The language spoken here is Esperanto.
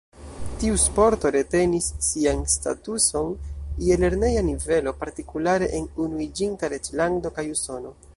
Tiu sporto retenis sian statuson je lerneja nivelo, partikulare en Unuiĝinta Reĝlando kaj Usono.